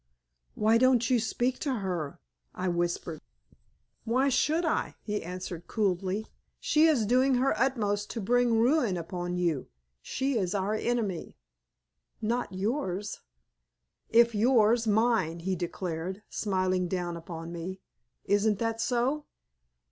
"Why don't you speak to her?" I whispered. "Why should I?" he answered, coolly. "She is doing her utmost to bring ruin upon you. She is our enemy." "Not yours." "If yours, mine," he declared, smiling down upon me. "Isn't that so?"